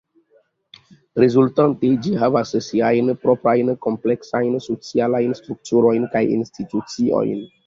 Rezultante ĝi havas siajn proprajn kompleksajn socialajn strukturojn kaj instituciojn.